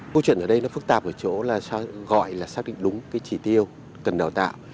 câu chuyện ở đây nó phức tạp ở chỗ là gọi là xác định đúng cái chỉ tiêu cần đào tạo